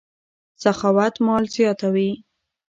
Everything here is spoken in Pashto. سخاوت مال زیاتوي.